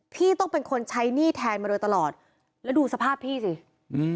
พี่ต้องเป็นคนใช้หนี้แทนมาโดยตลอดแล้วดูสภาพพี่สิอืม